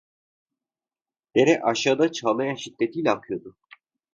Dere, aşağıda, çağlayan şiddetiyle akıyordu.